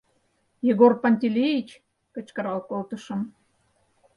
Егор Пантелеич?.. — кычкырал колтышым.